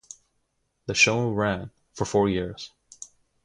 The show ran for four years.